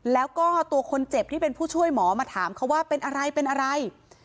แล้วก็ตัวคนเจ็บที่เป็นผู้ช่วยหมอมาถามเขาว่าเป็นอะไรเป็นอะไร